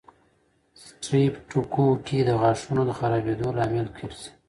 سټریپټوکوکي د غاښونو خرابېدو لامل ګرځي.